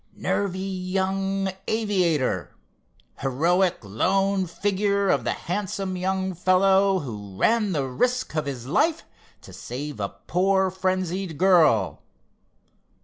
'Nervy young aviator,' 'heroic lone figure of the handsome young fellow who ran the risk of his life to save a poor frenzied girl.